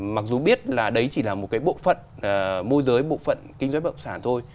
mặc dù biết là đấy chỉ là một cái bộ phận môi giới bộ phận kinh doanh bất động sản thôi